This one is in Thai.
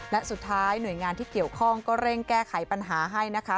และสุดท้ายหน่วยงานที่เกี่ยวข้องก็เร่งแก้ไขปัญหาให้นะคะ